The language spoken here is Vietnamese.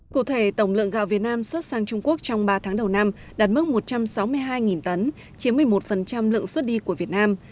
cụ thể tổng lượng gạo việt nam xuất sang trung quốc trong ba tháng đầu năm đạt mức một trăm sáu mươi hai tấn chiếm một mươi một lượng xuất đi của việt nam